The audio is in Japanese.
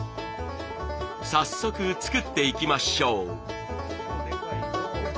早速作っていきましょう。